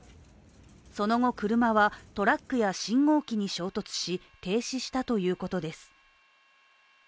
その後、車はトラックや信号機に衝突し停止したということです。